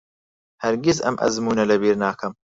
هەرگیز ئەم ئەزموونە لەبیر ناکەم.